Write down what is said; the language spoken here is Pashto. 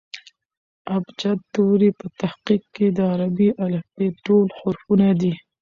ابجد توري په حقیقت کښي د عربي الفبې ټول حرفونه دي.